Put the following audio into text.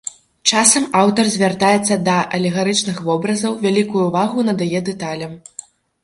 Часам аўтар звяртаецца да алегарычных вобразаў, вялікую ўвагу надае дэталям.